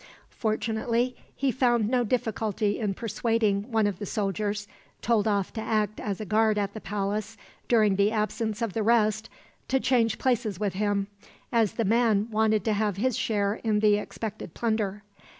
Fortunately, he found no difficulty in persuading one of the soldiers, told off to act as a guard at the palace during the absence of the rest, to change places with him, as the man wanted to have his share in the expected plunder.